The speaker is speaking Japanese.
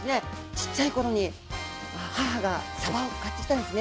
ちっちゃい頃に母がさばを買ってきたんですね。